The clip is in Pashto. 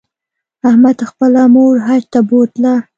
احمد خپله مور حج ته بوتله.